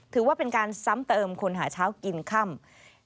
ถือว่าเป็นการซ้ำเติมคนหาเช้ากินค่ำ